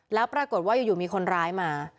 แล้วปรากฏว่าอยู่มีคนร้ายมา